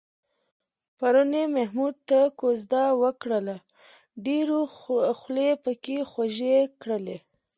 پرون یې محمود ته کوزده وکړله، ډېرو خولې پکې خوږې کړلې.